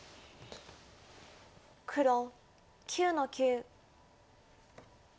黒９の九。